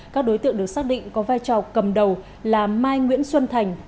các đối tượng được xác định có vai trò cầm đầu là mai nguyễn xuân thành